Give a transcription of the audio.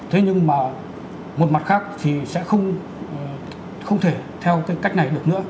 thế nhưng mà một mặt khác thì sẽ không thể theo cái cách này được nữa